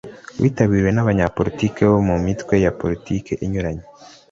witabiriwe n abanyapolitiki bo mu mitwe ya politiki inyuranye